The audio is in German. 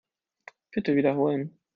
Bitte wiederholen.